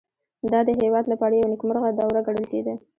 دا د دې هېواد لپاره یوه نېکمرغه دوره ګڼل کېده